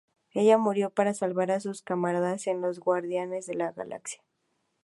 Ella murió para salvar a sus camaradas en los Guardianes de la Galaxia.